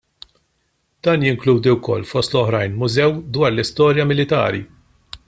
Dan jinkludi wkoll fost l-oħrajn Mużew dwar l-Istorja Militari.